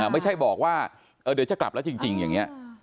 ไม่ใช่บอกว่าเดี๋ยวจะกลับแล้วจริงอย่างนี้